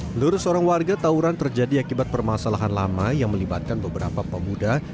menurut seorang warga tawuran terjadi akibat permasalahan lama yang melibatkan beberapa pemuda